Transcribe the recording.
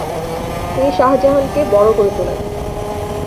তিনি শাহজাহান কে বড় করে তোলেন।